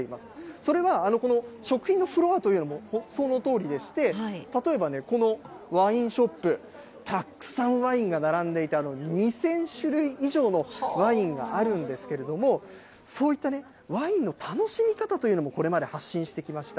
それはこの食品のフロアというのもそのとおりでして、例えばね、このワインショップ、たくさんワインが並んでいて、２０００種類以上のワインがあるんですけれども、そういったワインの楽しみ方というのもこれまで発信してきました。